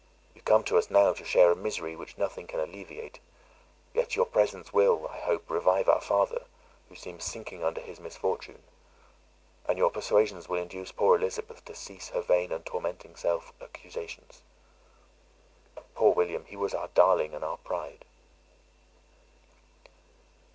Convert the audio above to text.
You come to us now to share a misery which nothing can alleviate; yet your presence will, I hope, revive our father, who seems sinking under his misfortune; and your persuasions will induce poor Elizabeth to cease her vain and tormenting self accusations.—Poor William! he was our darling and our pride!"